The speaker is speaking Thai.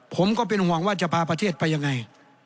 ผมก็เป็นห่วงว่าจะพาประเทศไปยังไง